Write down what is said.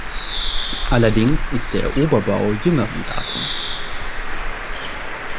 Allerdings ist der Oberbau jüngeren Datums.